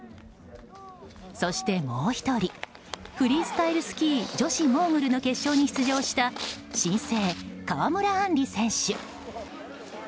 そしてもう１人フリースタイルスキー女子モーグルの決勝に出場した新星、川村あんり選手。